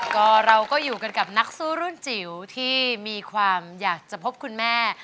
ก็เราก็อยู่กันกับนักสู้รุ่นจิ๋วที่มีความอยากจะพบคุณแม่